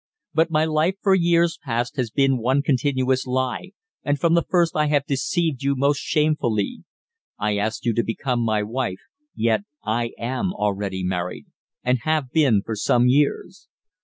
But my life for years past has been one continuous lie, and from the first I have deceived you most shamefully. I asked you to become my wife, yet I am already married, and have been for some years.